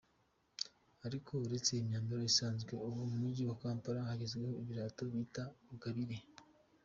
Ariko uretse imyambaro isanzwe ubu mu muji wa Kampala hagezweho birato bita rugabire.